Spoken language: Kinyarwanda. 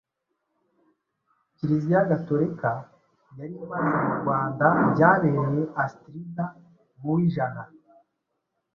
Kiliziya Gatolika yari imaze mu Rwanda byabereye Astrida mu wijana